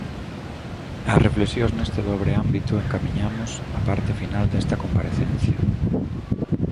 Ás reflexións neste dobre ámbito encamiñamos a parte final desta comparecencia.